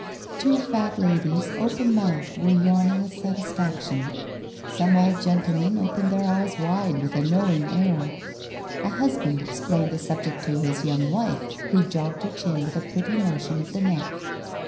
Two fat ladies, open mouthed, were yawning with satisfaction. Some old gentlemen opened their eyes wide with a knowing air. A husband explained the subject to his young wife, who jogged her chin with a pretty motion of the neck.